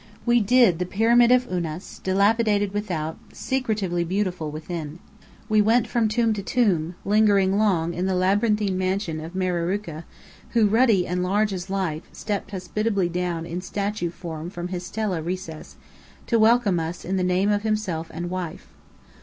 We "did" the Pyramid of Unas, dilapidated without, secretively beautiful within. We went from tomb to tomb, lingering long in the labyrinthine Mansion of Mereruka who, ruddy and large as life, stepped hospitably down in statue form from his stela recess, to welcome us in the name of himself and wife.